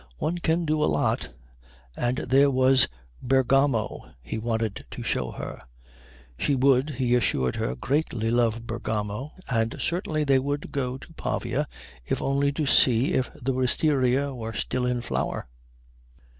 One can do a lot " And there was Bergamo he wanted to show her; she would, he assured her, greatly love Bergamo; and certainly they would go to Pavia if only to see if the wistaria were still in flower.